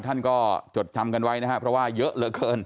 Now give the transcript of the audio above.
ท่านก็จดจำกันไว้นะครับเพราะว่าเยอะเหลือเกิน